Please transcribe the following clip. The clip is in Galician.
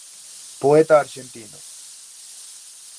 Poeta arxentino.